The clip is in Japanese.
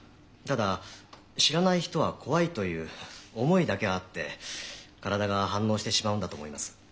ただ知らない人は怖いという思いだけがあって体が反応してしまうんだと思います。